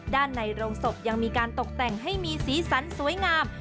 ในโรงศพยังมีการตกแต่งให้มีสีสันสวยงาม